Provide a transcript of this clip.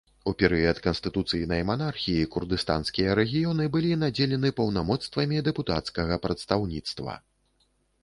У перыяд канстытуцыйнай манархіі курдыстанскія рэгіёны былі надзелены паўнамоцтвамі дэпутацкага прадстаўніцтва.